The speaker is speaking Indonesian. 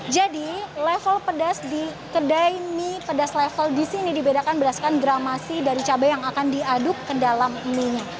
jadi level pedas di kedai mie pedas level di sini dibedakan berdasarkan gramasi dari cabai yang akan diaduk ke dalam mie nya